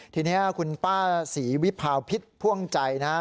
ทีนี้คุณป้าศรีวิพาวพิษพ่วงใจนะครับ